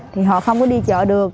thì họ không có đi chợ được